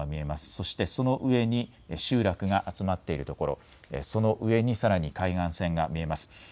そしてその上に集落が集まっているところ、その上にさらに海岸線が見えます。